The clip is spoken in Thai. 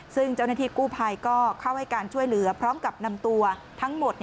ซึ่งเจ้าหน้าที่กู้ภัยก็เข้าให้การช่วยเหลือพร้อมกับนำตัวทั้งหมด